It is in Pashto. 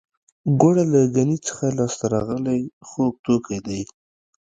ګوړه له ګني څخه لاسته راغلی خوږ توکی دی